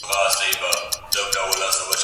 په لرې ختيځ کي د اورګاډي پټلۍ امتياز واخيستل سو.